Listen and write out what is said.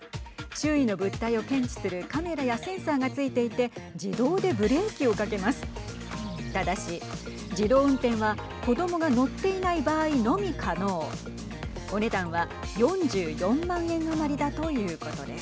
周囲の物体を検知するカメラやセンサーが付いていて自動でブレーキをかけます。